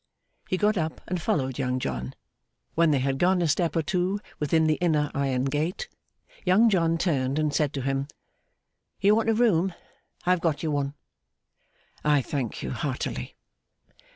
He got up and followed Young John. When they had gone a step or two within the inner iron gate, Young John turned and said to him: 'You want a room. I have got you one.' 'I thank you heartily.